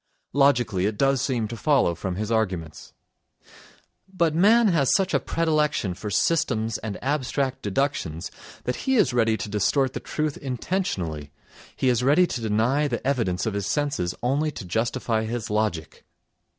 Logically it does seem to follow from his arguments. But man has such a predilection for systems and abstract deductions that he is ready to distort the truth intentionally, he is ready to deny the evidence of his senses only to justify his logic.